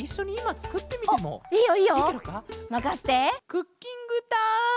クッキングタイム！